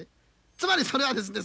つまりそれはですね